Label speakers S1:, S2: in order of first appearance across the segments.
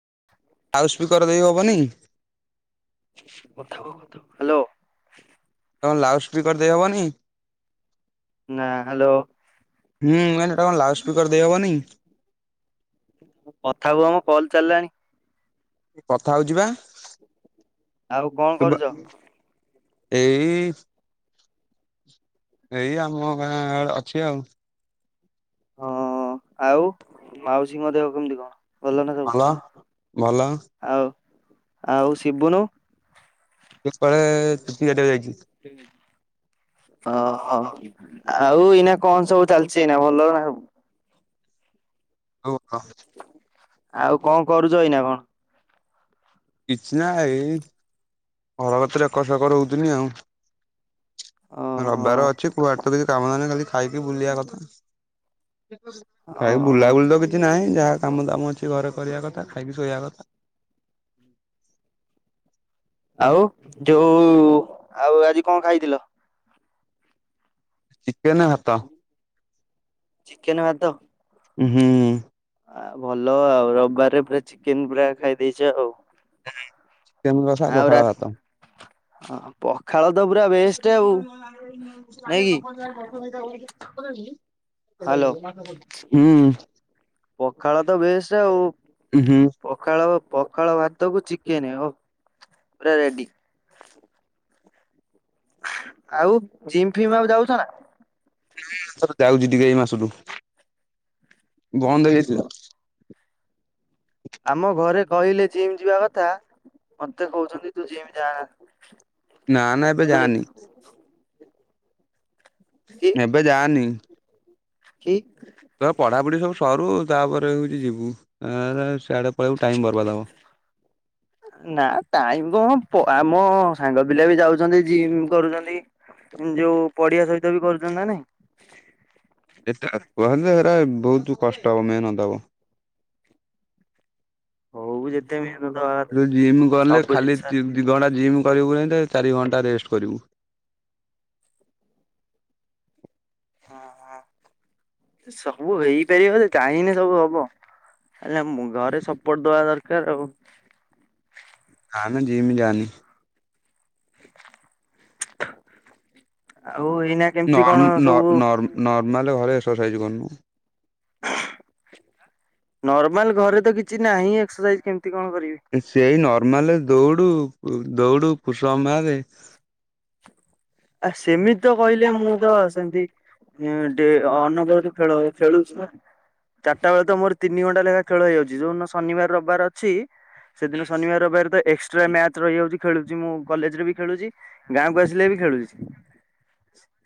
S1: [inaudible]
S2: Loud speaker ଦେଇ ହବନି?
S1: କଥାକୁ କଥା ହ୍ୟାଲୋ
S2: କଣ ଲାଉଡ ସ୍ପିକର ଦେଇହେବନି?
S1: ନାଁ ହ୍ୟାଲୋ
S2: ହୁଁ ଏ ଟ କଣ ଲାଉଡ ସ୍ପିକର ଦେଇହବନି?
S1: କଥା ହୁଅ ମ କଲ୍ ଚାଲିଲାଣି
S2: କଥା ହଉଛି ବା
S1: ଆଉ କଣ
S2: ଶୁଭା
S1: କରୁଛ?
S2: ଏଇ ଏଇ ଆମ ଗାଁ ଅଛି ଆଉ।
S1: ହଁ ଆଉ ମାଉସୀଙ୍କ ଦେହ କେମିତି କଣ? ଭଲ ନା ସବୁ?
S2: ଭଲ ଭଲ।
S1: ଆଉ ଆଉ ଶିବୁନୁ।
S2: ସେ ଶଳେ [unintelligible] ଗଟ ଯାଇଛି।
S1: ହଁ ହ। ଆଉ ଏଇନା କଣ ସବୁ ଚାଲିଚି? ଏଇନା ଭଲ ନା ସବୁ?
S2: ହଉ। ହଁ।
S1: ଆଉ କଣ କରୁଚ ଏଇନା କଣ?
S2: କିଛିନା ଏଇ। ଘରତାରେ ଏକରସେକର ହଉଥିଲି ଆଉ।
S1: ଓହୋ
S2: ରବିବାର ଅଛି କୁଆଡେ ତ କିଛି କାମନା ନାଁ ଖାଲି ଖାଇକି ବୁଲିବା କଥା। ଖାଇକି
S1: ଓହୋ
S2: ବୁଲାବୁଲି ତ କିଛି ନାହିଁ। ଯାହା କାମ ଦାମ ଅଛି ଘରେ କରିବା କଥା। ଖାଇକି ଶୋଇବା କଥା।
S1: ଆଉ ଯଉ, ଆଉ ଆଜି କଣ ଖାଇଥିଲ?
S2: ଚିକେନ୍ ଭାତ।
S1: ଚିକେନ ଭାତ।
S2: ଉ ହୁଁ।
S1: ଆ ଭଲ ଆଉ ରବିବାରରେ ପୁରା ଚିକେନ ପୁରା ଖାଇ ଦେଇେଚ ଆଉ।
S2: ହୁଁ। ଚିକେନ କଷା,
S1: ଆଉ ରା
S2: ପଖାଳ ଭାତ।
S1: ପଖାଳ ତ ପୁରା ବେଷ୍ଟ ଆଉ ନାଇଁ କି
S2: [unintelligible]
S1: ହାଲୋ,
S2: ହୁଁ
S1: ପଖାଳ ତ ବେଷ୍ଟ୍ ଆଉ।
S2: ହୁଁ
S1: ପଖାଳ ପଖାଳ ଭାତକୁ ଚିକେନ ଓଃ ପୁରା ରେଡି। ଆଉ ଜିମ୍ ଫିମ୍ ଆ ଯାଉଚ ନା?
S2: ଯାଉଚି ଟିକେ ଏଇ ମାସରୁୁ। ବନ୍ଦ ହେଇଥିଲା।
S1: ଆମ ଘରେ କହିଲେ ଜିମ୍ ଯିବା କଥା ମତେ କହୁଚ ନ୍ତି ତୁ ଜିମ ଯା ନା।
S2: ନା ନା ଏବେ ଯାନି।
S1: କି
S2: ଏବେ ଯାନି।
S1: କି?
S2: ପଢାପଢି ସବୁ ସରୁ ତାପରେ ହଉଚି ଯିବୁ। ଆରାମ୍
S1: ନା ଟାଇମ କଣ ପ ଆମ ସାଙ୍ଗ ପିଲା ବି ଯାଉଛନ୍ତି ଜିମ୍ କରୁଚନ୍ତି। ଯଉ ପଡିଆ ସହିତ ବି କରୁଚନ୍ତି ନା ନାଇଁ।
S2: ଏତ [unintelligible] ଏଟା ବହୁତ କଷ୍ଟ ହେବ ମେହନତ ହେବ।
S1: ହଉ ଯେତେ ବି
S2: ଜିମ୍ କଲେ ଖାଲି ଦି ଦି ଘଣ୍ଟା ଜିମ୍ କରିବକୁ ନାଇ ଚାରି ଘଣ୍ଟା ରେଷ୍ଟ କରିବୁ।
S1: ହଁ ହଁ ତ ସବୁ ହେଇପାରିବ ଚାହିଁଲେ ସବୁ ହବ ହେଲେ ଘରେ ସପୋର୍ଟ ଦବା ଦରକାର ଆଉ।
S2: ଆମେ ଜିମ ଜନୀ।
S1: ଆ [inaudible]
S2: ନମ ନ ନର ନରମାଲ ଘରେ ଏସର ସାଇଜ କରୁନୁ।
S1: ନର୍ମାଲ ଘରେ ତ କିଛି ନାହିଁ ଏକ୍ସରସାଇଜ କେମତି?
S2: ସେଇ ନାର୍ମଲ୍ ଦୌଡୁ ଦୌଡୁ ଫୁସପ ମାରେ।
S1: ଆ ସେମିତି ତ କହିଲେ ମୁଁ ତ ସେମିତି ଏଁ ଡେ ଅନବରତ ଖେଳ ଖେଳୁଛି ନା ଚାରିଟା ବେଳେ ତ ମୋର ତିନିଘଣ୍ଟା ଲଖା ଖେଳ ହେଇଯାଉଛି ଯୋଉ ଦିନ ଶନିବାର ରବିବାର ଅଛି ସେଦିନ ଶନିବାର ରବିବାର ତ ଏକ୍ସଟ୍ରା ମ୍ୟାଚ୍ ରହିଯାଉଛି ଖେଳୁଛି ମୁଁ କଲେଜ୍ ରେ ବି ଖେଳୁଛି। ଗାଁକୁ ଆସିଲେ ବି ଖେଳୁଛି।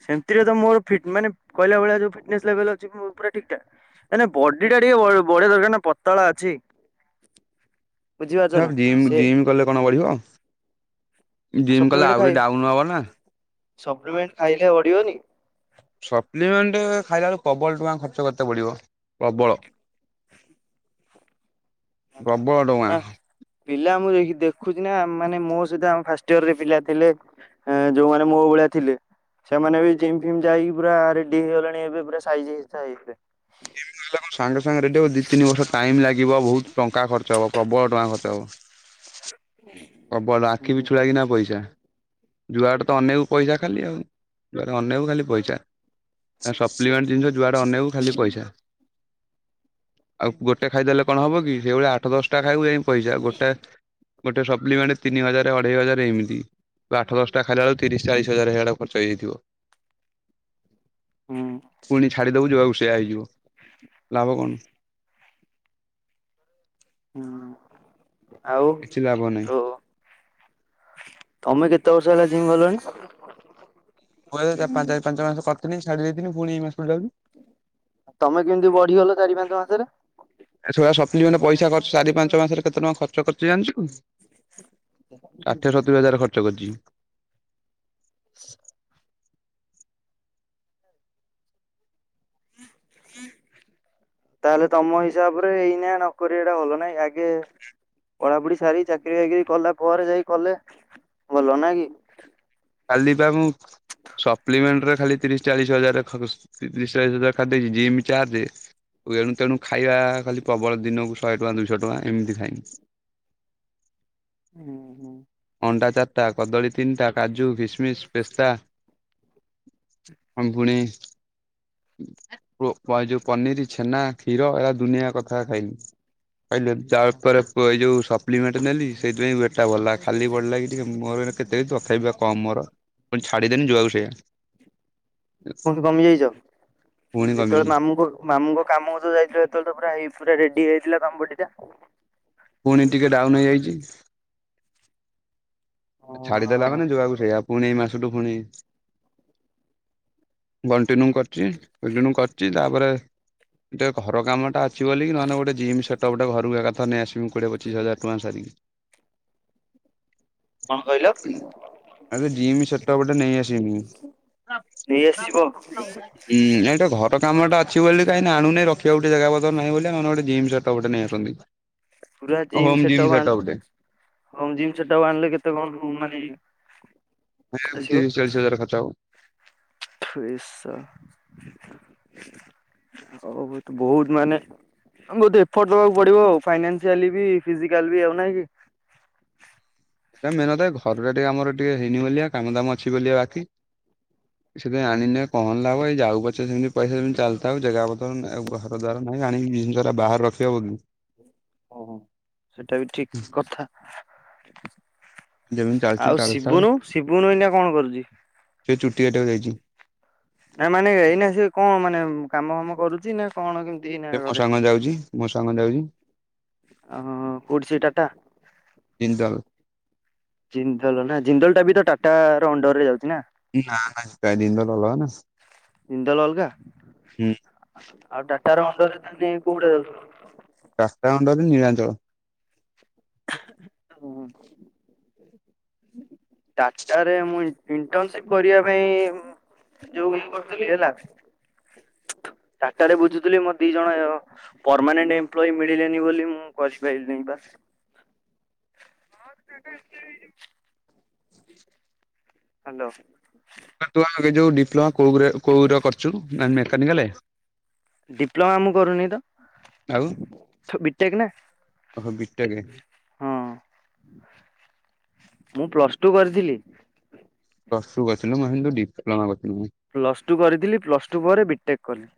S1: ସେମିତିରେ ମୋର୍ ଫିଟନେ ମାନେ କହିଲା ଭଳିଆ ମୋର୍ ଫିଟନେସ୍ ଲେବଲ୍ ଅଛି ପୁରା ଠିକ୍ ଠାକ୍ ମାନେ ବିଡି ଟା ଟିକେ ବଢ଼ିବା ଦରକାର ନା ପତଳା ଅଛି। ବୁଝିପାରୁଛ ନା
S2: ଜିମ୍
S1: ସେ
S2: ଜିମ୍ କଲେ କଣ ବଢିବ। ଜିମ୍ କଲେ
S1: ସପ୍ଲିମେଣ୍ଟ ଖାଇ
S2: ଆହୁରି ଡାଉନ୍ ହବ ନା।
S1: ସପ୍ଲିମେଣ୍ଟ ଖାଇଲେ ବଢ଼ିବନି।
S2: ସପ୍ଲିମେଣ୍ଟ ଖାଇଲା ବେଳକୁ ପ୍ରବଳ ଟଙ୍କା ଖର୍ଚ୍ଚ କରିତେ ପଡିବ ପ୍ରବଳ। ପ୍ରବଳ ଟଙ୍କା
S1: ଦେଖୁଚି ନା ମାନେ ମୋ ସହିତ ଫାର୍ଷ୍ଟ ୟିଅର୍ ରେ ପିଲା ଥିଲେ ଏ ଯୋଉମାନେ ମୋ ଭଳିଆ ଥିଲେ ସେମାନେ ବି ଜିମ୍ ଫିମ୍ ଯାଇକି ପୁରା ରେଡି ହେଇଗଲେଣି ଏବେ ପୁରା ସାଇଜ୍ ହେଇ ସା
S2: ସାଙ୍ଗେ ଶାଙ୍ଗେ ରେଡି ହେବ ଦି ତିନି ବର୍ଷ ଟାଇମ୍ ଲାଗିବ ବା ବହୁତ୍। ଟଙ୍କା ଖର୍ଚ୍ଚ ହବ ପ୍ରବଳ ଟଙ୍କା ଖର୍ଚ୍ଚ ହବ।
S1: [unintelligible]
S2: ପ୍ରବଳ ଟଙ୍କା ଆଖି ପିଛୁଳାକିନା ପଇସା। ଯୁଆଡେ ତ ଅନେଇବୁ ପଇସା ଖାଲି ଆଉ ଯୁଆଡେ ଆନେଇବୁ ଖାଲି ପଇସା। ଆ ସପ୍ଲିମେଣ୍ଟ ଜିନିଷ ଯୁଆଡେ ଅନେଇବୁ ଖାଲି ପଇସା। ଆଉ ଗୋଟେ ଖାଇଦେଲେ କଣ ହବ କି ସେଇ ଭଳିଆ ଆଠ ଦଶଟା ଖାଇବୁ ଯାଇ ପଇସା ଗୋଟାଏ ଗୋଟେ ସପ ପ୍ଲିମେଣ୍ଟ ତିନି ହଜାର ଅଢ଼େଇ ହଜାର ଏମିତି ତୁ ଆଠ ଦଶଟା ଖାଲା ବେଳକୁ ତିରିଶ ଚାଳିଶ ହଜାର ସିଆଡେ ଖର୍ଚ୍ଚ ହେଯାଇଥିବ। ପୁଣି ଛାଡି ଦବୁ ଯୋଉଆକୁସେ ସେଇଆ ହେଇଯିବ ଲାଭ କଣ।
S1: ହୁଁ। ଆଉ
S2: କିଛି ଲାଭ ନାହିଁ।
S1: ତୁ ତମେ କେତେ ବର୍ଷ ହେଲା ଜିମ ଗଲଣି।
S2: ମୁ ଏ ଚାରି ପାଞ୍ଚ ମା ପାଞ୍ଚ ମାସ କରି ଥିଲି ଛାଡିଦେଇଥିନି ପୁଣି ଏଇ ମାସରୁ ଯାଉଛି।
S1: ତମେ କେମିତି ବଢ଼ିଗଲ ଚାରି ପାଞ୍ଚ ମାସରେ?
S2: ଏ ସବୁପା ସପ୍ଲିମେଣ୍ଟ। ପଇସା ଖର୍ଚ୍ଚ ଚାରି ପାଞ୍ଚ ମାସରେ। କେତେ ଟଙ୍କା ଖର୍ଚ୍ଚ କରିଛୁ ଜାଣିଛୁ ଷାଠିଏ ସତୁରି ହଜାର ଖର୍ଚ୍ଚ କରିଛି।
S1: [inaudible] ତାହେଲେ ତମ ହିସାବରେ ଏଇନା ନକରିବାଟା ଭଲ ନାଁଇକି ଆଗେ ପଢାପଢି ସାରି ଚାକିରି ବାକିରି କଲା ପରେ ଯାଇ କଲେ ଭଲ ନା କି।
S2: ଖାଲିବା ମୁଁ ସପ୍ଲିମେଣ୍ଟରେ ଖାଲି ତିରିଶି ଚାଳିଶି ହଜାର ଖର୍ ତିରିଶି ଚାଳିଶି ହଜାର ଖାଲି ଜିମ୍ ଚର୍ଜେ ଏଣୁ ତେଣୁ ଖାଇବା ଦିନକୁ ଶହେ ଟଙ୍କା ଦୁଇଶ ଟଙ୍କା ଏମିତି ଖାଏ।
S1: ହୁଁ ହୁଁ।
S2: ଅଣ୍ଡା ଚାରିଟା କଦଳୀ ତିନିଟା କାଜୁ [unintelligible] କମ ର କହିନି ଛାଡିଦେନି ଯୁଆକୁ ସେଇଆ।
S1: କୁହନ୍ତୁ କମିଯାଇଛ।
S2: ପୁଣି
S1: ଯେତେବେଳେ
S2: କମିଯାଇଛି
S1: ମାମୁଁଙ୍କ ମାମୁଁଙ୍କ କାମକୁ ଯାଇଥିଲି ସେତେବେଳେ ତ ପୁରାଇ ପୁରା ରେଡି ଟି ହେଇଥିଲା ତୋମ ବଡିଟା।
S2: ପୁଣି ଟିକେ ଡାଉନ୍ ହେଇଯାଇଚି। ଏ ଛାଡ଼ିଦେଲା
S1: ହଁ
S2: ମାନେ ଯୁଆକୁ ସେଇଆ। ପୁଣି ଏଇ ମାସ ସେଇଠୁ ପୁଣି [inaudible] ସେ ନୁ କରିଛି, [unintelligible] କରିଚି ତାପରେ ଯେ ଘର କାମଟା ଅ ଅଛି ବୋଲି। ନହେଲେ ଗୋଟେ ଜିମ୍ ସେଟପ ଟା ଘରକୁ ଏକାଥରେ ତ ନେଇ ଆସି। କି ମୁଁ କୋଡିଏ ପଚିଶ ହଜାର ଟଙ୍କା ସାରିବି।
S1: କଣ କହିଲ
S2: ଏବେ ଜିମ୍ ସେଟପ ଟେ ନେଇ ଆସିବି।
S1: ନେଇ ଆସିବ
S2: ଉଁମ୍ ଏଟା ଘ ତୋ କାମଟା ଅଛି ବୋଲି କାହିଁକି ନା ଆଣୁନି ରଖିବା ଗୋଟେ ଜାଗା ପତର ନାହିଁ ବୋଲି। ନହେଲେ ଗୋଟେ ଜିମ୍ ସେଟ୍ଅପ୍ ନେଇସନ୍ତି।
S1: ପୁରା ଜିମ୍ ସେଟପ ଆଣିଲେ, ହ ଜିମ୍ ସେଟା ଆଣିଲେ କେ ଏତେ କଣ ମାନେ
S2: ନା ଏବେ ତିରିଶ ଚାଳିଶ ହଜାର ଖର୍ଚ୍ଚ ହବ।
S1: ହଁ ବୋହୁତ ମାନେ ବୋହୁତ ଏଫର୍ଟ ଦେବାକୁ ପଡିବ ଆଉ। ଫାଇନାନ୍ସିଆଲି ବି ଫିଜିକାଲି ବି ଆଉ ନାଇଁ କି?
S2: ସେଟା ମେନ୍ କଥା ଘରଟା ଟିକେ ଆମର ଟିକେ ହେଇନି ବୋଲି କାମ ଦାମ ଅଛି ବୋଲି ବାକି। ସେଥିପାଇଁ ଆଣିନି ଆଉ କଣ ଲାଭ ଏଇ ଯାଉ ପଛେ ସେମିତି ପଇସା ସେମିତି ଚାଲିଥାଉ ଜେଗା ପତର ନା ଏଘର ଦ୍ୱାର ନାହିଁ ଆଣିକି ଜିନିଷରା ବାହାରେ ରଖି ହବ କି।
S1: ଓହୋ ସେଟା ବି ଠିକ କଥା। [inaudible]
S2: ଯେମିତି
S1: [inaudible]
S2: ଚାଲିଚି
S1: ଆଉ
S2: ଚାଲିଥାଉ
S1: ଶିବୁନୁ ଶିବୁନୁ ଏଇନା କଣ କରୁଛି।
S2: ସେ ଚୁଟି କାଟିବାକୁ ଯାଇଚି।
S1: [inaudible] ଏ ମାନେ ଏଇନା ସ କଣ ମାନେ କାମ କାମ କରୁଛି ନା କଣ କେମି
S2: ସେ ମୋ ସାଙ୍ଗ ଯାଉଛି ମୋ ସାଙ୍ଗ ଯାଉଛି।
S1: ଓ କୋଉଠି ସେଇ ଟାଟା
S2: ଜିନ୍ଦଲ
S1: ଜିନ୍ଦଲ ନା ଜିନ୍ଦଲ ଟା ବି ତ ଟାଟାର ଅଣ୍ଡରରେ ଯାଉଛି। ନା
S2: ନା ନା ଜିନ୍ଦଲ ଅଲଗା ନା
S1: ଜିନ୍ଦଲ ଅଲଗା? ଆଉ ଟାଟାର ଅଣ୍ଡରରେ ତାହେଲେ କଉଟା ଯାଉଛି?
S2: ଟାଟା ଅଣ୍ଡରରେ ନିରାଞ୍ଚଳ
S1: ହୁଁ। ଟାଟାରେ ମୁଁ ଇ ଇଣ୍ଟର୍ନସିପ୍ କରିବା ପାଇଁ ଯୋଉ ଇ କରୁଥିଲ ହେଲା ଟାଟାରେ ବୁଝୁଥିଲି ମୋ ଦି ଜଣ ପର୍ମାନେଣ୍ଟ ଏମ୍ପ୍ଲୋଇ ମିିଲିଲେନି ବୋଲି ମୁଁ କରିପାରିଲିନି ବା [unintelligible] ହାଲୋ।
S2: [unintelligible] ଯୋଉ ଡିପ୍ଲୋମା କୋଉ କୋଉର କରିଚୁ ମେକାନିକାଲ
S1: ଡିପ୍ଲୋମା ମୁଁ କରୁନି ତ,
S2: ଆଉ
S1: ବି ଟେକ ନା
S2: ଓହୋ ବିଟେକେ।
S1: ହଁ ମୁଁ ପ୍ଲସ ଟୁ କରିଥିଲି।
S2: ପ୍ଲସ ଟୁ କରୁଥିଲୁ ମୁଁ ଭାବିଲି ଡିପ୍ଲୋମା ବୋଲି।
S1: ପ୍ଲସ ଟୁ କରିଥିଲି ପ୍ଲସ୍ ଟୁ ପରେ ବିଟେକ୍ କଲି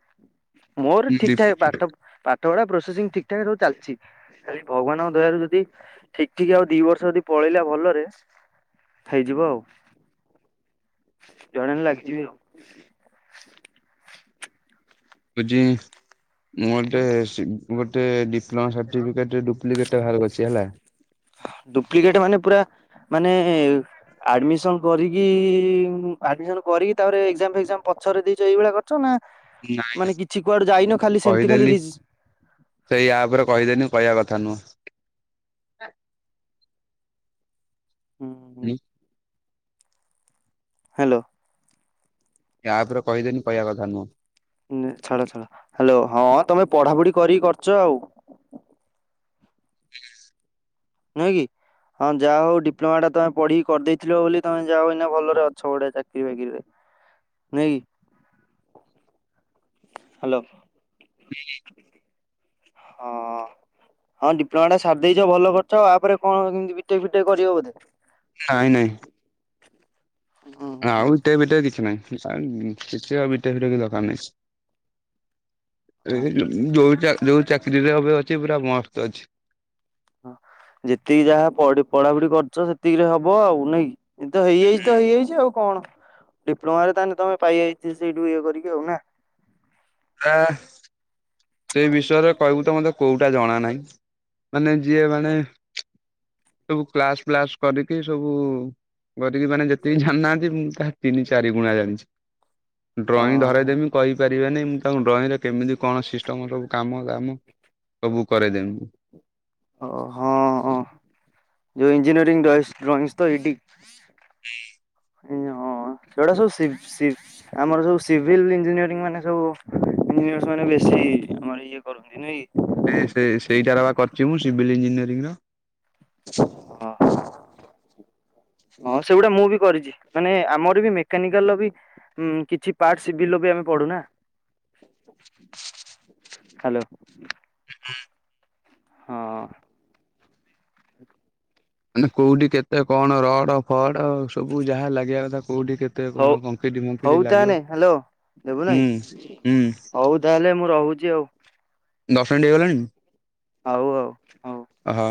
S1: ମୋର ଠିକ୍
S2: ଡିପ୍
S1: ଠାକ୍ ପାଠ ପାଠ ପଢା ପ୍ରୋସେସିଂ ଠିକ୍ ଠାକ୍ ସବୁ ଚାଲିଛି। ଖାଲି ଭଗବାନଙ୍କ ଦୟାରୁ ଯଦି ଠିକ ଠିକ ଆଉ ଦି ବର୍ଷ ଯଦି ପଳେଇଲା ଭଲରେ ହେଇଯିବ ଆଉ ଜୁଆଡେ ହେଲେ ଲାଗିଯିବି ଆଉ। ହ
S2: ଏ ଯେ ମୁଁ ଗୋଟେ ସିବ ବଟ୍ ଗୋଟେ ଡିପ୍ଲୋମାାସାର୍ଟିିପିକେଟ ଟେ ଡୁପଲି
S1: ଡୁପ୍ଲିକେଟ ମାନେ ପୁରା ମାନେ ଏ ଆଡମିସନ କରିକି ଆଡମିସନ କରିକି ତାପରେ ଏକ୍ଜାମ ଫେକ୍ଜାମ ପଛରେ ଦେଇଚ ଏଇଭଳିଆ କରିଚ ନା।
S2: ନାଇଁ
S1: ମାନେ କିଛି କୁଆଡେ ଯାଇନ
S2: ନାଇଁ
S1: ଖାଲି ସେମିତି ଖାଲି
S2: କହିଦେଲି
S1: ରିଜ୍
S2: ସେଇ ଆପରେ କହିଦେଲି କହିବା କଥା ନୁହଁ। ହ ହୁଁ।
S1: ହ୍ୟାଲୋ।
S2: ୟାପରେ କହିଦେଲି କହିବା କଥା ନୁହଁ।
S1: ହଁ ଛାଡ ଛାଡ ହ୍ୟାଲୋ ହଁ ତମେ ପଢାପଢି କରିକି କରୁଚ ଆଉ। ନୁହେଁ କି ହଁ ଯାହା ହଉ ଡିପ୍ଲୋମା ଟା ତମେ ପଢିକି କରିଦେଇଥିଲ ବୋଲି କି ତମେ ଯାହା ହଉ ଏନା ଭଲରେ ଅଛ ଗୋଟେ ବଢିଆ ଚାକିରି ବାକିରିରେ ନୁହେଁ କି। ହ୍ୟାଲୋ। ହଁ ହଁ ଡିପ୍ଲୋମା ଟା ସାରି ଦେଇଚ ଭଲ କରିଛ ଆପରେ କଣ କେମିତି ବିଟେକ ବିଟେକ କରିବ ବୋଧେ?
S2: ନାଇଁ ନାଇଁ।
S1: ହୁଁ
S2: ଁ
S1: ହୁଁ
S2: ଆଉ ବିଟେକ ଫିଟେକ କିଛି ନାହିଁ। ସା କିଛି ଆଉ ବିଟେକ ଫିଟେକ କିଛି ଦରକାର ନାହିଁ।
S1: ହଁ।
S2: ରାଗିଚ କି ଯୋ ବିଚାର ଯୋଉ ଚାକିରିରେ ଏବେ ଅଛି ପୁରା ମସ୍ତ ଅଛି।
S1: ହ ଯେତିକି ଯାହା ପଢ ପଢାପଢି କରଛ ସେତିକିରେ ହବ ଆଉ ନା କି। ଏଇ ତ ହେଇଯାଇଛି ତ ହେଇଯାଇଛି ଆଉ କଣ। ଡିପ୍ଲୋମାାରେ ତାହେଲେ ତମେ ପାଇ ଯାଇଚ ସେଠ ତମେ ଇଏ କରିକି ଆଉ ନା।
S2: ହଁ। ସେଇ ବିଷୟରେ କହିବୁ ତ ମତେ କୋଉଟା ଜଣା ନାହିଁ ମାନେ ଯିଏ ମାନେ ସବୁ କ୍ଲାସ ଫ୍ଲାସ କରିକି ସବୁ ଧରିକି ମାନେ ଯେତିକି ଜାଣିନାହାନ୍ତି ମୁଁ ତାହା ତିନି ଚାରି ଗୁଣା ଜାଣିଛି। ଡ୍ରଇଂ
S1: ଓହୋ
S2: ଧରାଇଦେବି କହିପାରିବେନି। ତାଙ୍କ ଡ୍ରଇଂ ରେ କେମିତି କଣ ସିଷ୍ଟ ତମର ସବୁ କାମ ଦାମ ସବୁ କରେ ଦେବି।
S1: ଓ ହଁ ହଁ ଯଉଁ ଇଞ୍ଜିନିରିଂ ର ଡ୍ରଇଂସ୍ ତ ଏଇଡି
S2: ହୁଁ।
S1: ଉ ହଁ ସେଗଟା ସବୁ ସିବ ସି ଆମର ସବୁ ସିଭିଲ୍ ଇଞ୍ଜିନିୟରିଂ ମାନେ ସବୁ ଇଞ୍ଜିନିୟର୍ସ ମାନେ ବେଶୀ ଆମର ଇଏ କରନ୍ତି ନାଇଁ କି।
S2: ସେ ସେ ସେଇଟାର ବା କରିଛି ମୁଁ ସିଭିଲ୍ ଇଞ୍ଜିନିୟରିଂ ର
S1: ହ ହଁ ସେଗୁଡା ମୁଁ ବି କରିଛି ମାନେ ଆମର ବି ମେକାନିକାଲ ବି କିଛି ପାର୍ଟି ବି ଆମେ ପଢୁନା ହ୍ୟାଲୋ।
S2: ହୁଁ।
S1: ହଁ।
S2: ମାନେ କୋଉଠି କେତେ କଣ ରଡ ଫଡ ସବୁ ଯାହା ଲାଗିବା କଥା କୋଉଠି କେତେ
S1: ହଉ
S2: କଣ କଙ୍କିଡି
S1: ହଉ
S2: ଫଙ୍କିରି ଲାଗିବ
S1: ତାହେଲେ ହ୍ୟାଲୋ ଦେବୁ
S2: ହୁଁ
S1: ନାଇଁ
S2: ହୁଁ।
S1: ହଉ ତାହେଲେ ମୁଁ ରହୁଛି ଆଉ।
S2: ଦ ଫ୍ରେଣ୍ଡ ହେଇଗଲାଣି
S1: ହଉ ହଉ ହଉ।
S2: ହଁ।